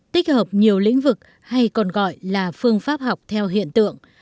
tích hợp nhiều lĩnh vực hay còn gọi là phương pháp học theo hiện tượng